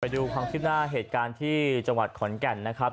ดูความขึ้นหน้าเหตุการณ์ที่จังหวัดขอนแก่นนะครับ